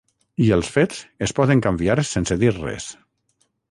I els fets es poden canviar sense dir res.